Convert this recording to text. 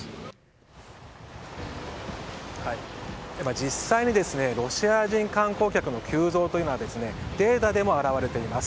実際ロシア人観光客の急増というのはデータでも表れています。